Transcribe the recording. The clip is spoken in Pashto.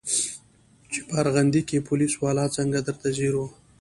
چې په ارغندې کښې پوليس والا څنګه درته ځير و.